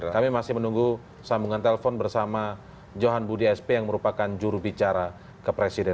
kami masih menunggu sambungan telepon bersama johan budi sp yang merupakan jurubicara kepresidenan